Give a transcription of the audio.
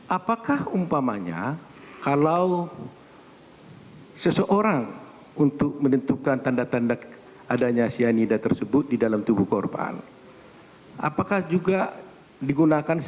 apakah umpamanya kalau seseorang untuk menentukan tanda tanda adanya cyanida tersebut di dalam tubuh kita